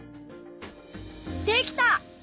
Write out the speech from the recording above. できた！